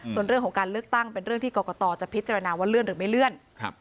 ส่วนเรื่องของการเลือกตั้งเป็นเรื่องที่กรกตจะพิจารณาว่าเลื่อนหรือไม่เลื่อน